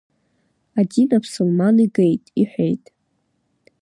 Адин аԥсылман игеит, — иҳәеит.